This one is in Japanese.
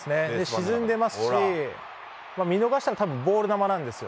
沈んでますし、見逃したのはたぶんボール球なんですよ。